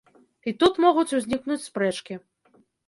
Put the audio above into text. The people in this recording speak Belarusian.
І тут могуць узнікнуць спрэчкі.